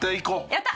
「やった」。